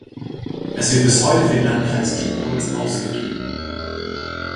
Es wird bis heute für den Landkreis Diepholz ausgegeben.